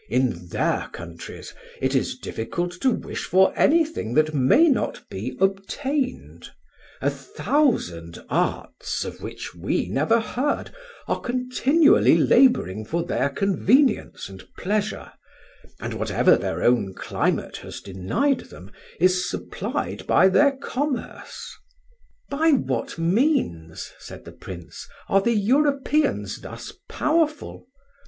In their countries it is difficult to wish for anything that may not be obtained; a thousand arts, of which we never heard, are continually labouring for their convenience and pleasure, and whatever their own climate has denied them is supplied by their commerce." "By what means," said the Prince, "are the Europeans thus powerful?